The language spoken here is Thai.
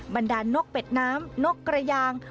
บรรดานนกเป็ดน้ำนกกระยาง